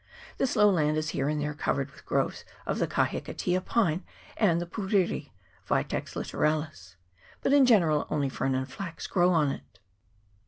This low land is here and there covered with groves of the kahikatea pine and the puriri (Vitex litoralis), but in general only fern and flax grow on it.